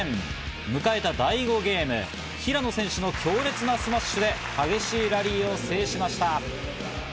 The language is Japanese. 迎えた第５ゲーム、平野選手と強烈なスマッシュで激しいラリーを制しました。